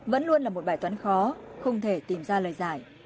vẫn luôn là một bài toán khó không thể tìm ra lời giải